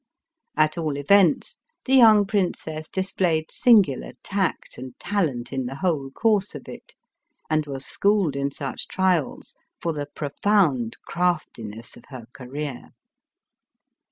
At all events, the young princess displayed singular t^ct and talent in the whole course of it, and was scho^ed in such trials for the profound craftiness of her career.